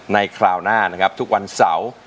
ในคราวหน้าทุกวันเสาร์